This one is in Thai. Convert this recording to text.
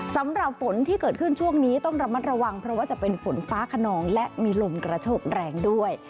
สำหรับฝนที่เกิดขึ้นช่วงนี้ต้องระมัดระวังเพราะว่าจะเป็นฝนฟ้าขนองและมีลมกระโชกแรงด้วย